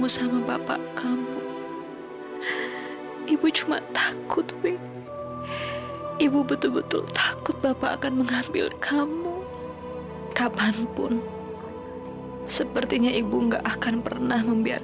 sampai jumpa di video selanjutnya